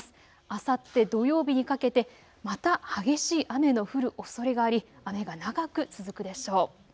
あさって土曜日にかけてまた激しい雨の降るおそれがあり雨が長く続くでしょう。